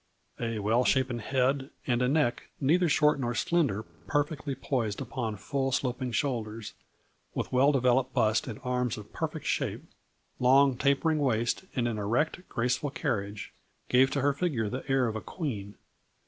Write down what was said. A well shapen head, and a neck neither short nor slender perfectly poised upon full sloping shoulders, with well developed bust and arms of perfect shape, long, tapering waist and an erect, grace ful carriage, gave to her figure the air of a A FLURRY IN DIAMONDS. 133 queen.